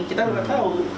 kita nggak tahu